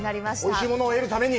おいしいものを得るために？